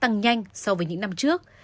tăng nhanh so với những năm trước